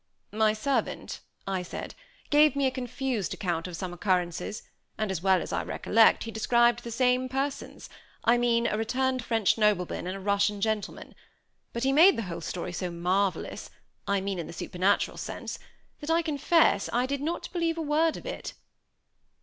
"My servant," I said, "gave me a confused account of some occurrences, and, as well as I recollect, he described the same persons I mean a returned French nobleman and a Russian gentleman. But he made the whole story so marvelous I mean in the supernatural sense that, I confess, I did not believe a word of it."